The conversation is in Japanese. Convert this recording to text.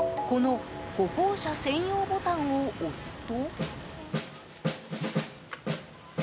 この歩行者専用ボタンを押すと。